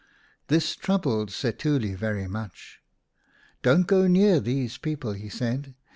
This troubled Setuli very much. " Don't go near these people," said he.